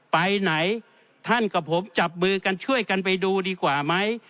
ไปไหนท่านกับผมจับมือกันช่วยกันไปดูดีกว่าไหม